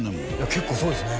結構そうですね